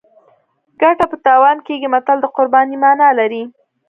ګټه په تاوان کېږي متل د قربانۍ مانا لري